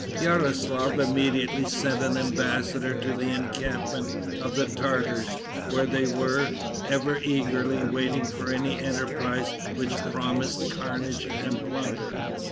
Yaroslaf immediately sent an embassador to the encampment of the Tartars, where they were, ever eagerly waiting for any enterprise which promised carnage and plunder.